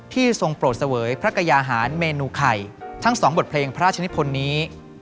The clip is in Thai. ทรงโปรดเสวยพระกยาหารเมนูไข่ทั้งสองบทเพลงพระราชนิพลนี้